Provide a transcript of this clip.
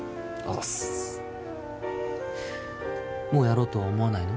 ざっすもうやろうとは思わないの？